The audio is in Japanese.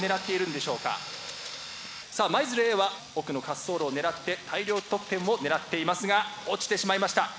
さあ舞鶴Ａは奥の滑走路を狙って大量得点を狙っていますが落ちてしまいました。